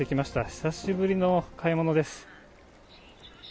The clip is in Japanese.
久しぶりの買い物です。